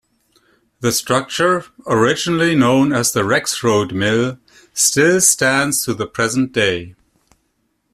The structure, originally known as the Rexrode Mill, still stands to the present day.